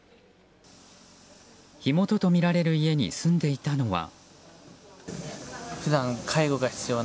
火元とみられる家に住んでいたのは。